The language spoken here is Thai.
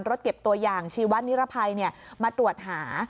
รถเก็บตัวอย่างชีวนิรภัยมาตรวจหา